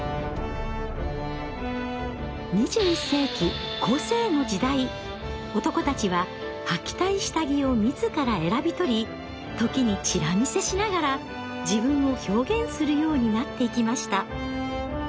２１世紀男たちははきたい下着を自ら選び取り時にチラ見せしながら自分を表現するようになっていきました。